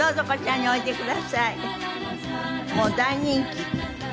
もう大人気。